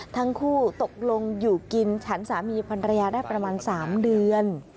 ทั้งคู่ตกลงอยู่กินฉันสามีภรรยาได้ประมาณ๓เดือน